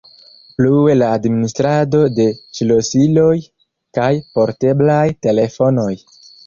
Plue la administrado de ŝlosiloj kaj porteblaj telefonoj.